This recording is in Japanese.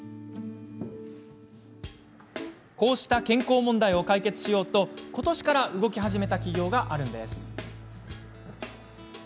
こうした健康問題を解決しようとことしから動き始めた企業があるんです。